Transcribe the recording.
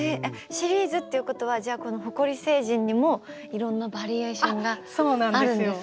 シリーズっていうことはじゃあこの埃星人にもいろんなバリエーションがあるんですか？